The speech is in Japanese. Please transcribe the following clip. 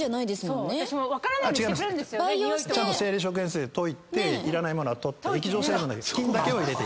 ちゃんと生理食塩水で溶いていらないものは取って液状成分だけ。